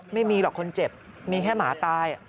ไม่มีหรอกคนเจ็บมีแค่หมาตาย